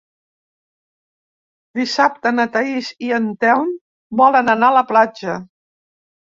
Dissabte na Thaís i en Telm volen anar a la platja.